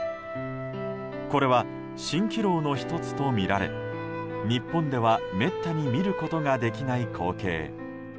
これは蜃気楼の１つとみられ日本ではめったに見ることができない光景。